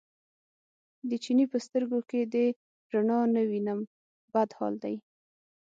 د چیني په سترګو کې دې رڼا نه وینم بد حال دی.